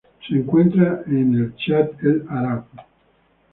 Se encuentra en el Chat-el-Arab.